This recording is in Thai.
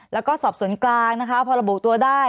แล้วก็สอบสวนกลางนะคะพอระบุตัวได้